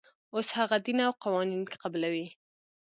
اوس هغه دین او قوانین قبلوي.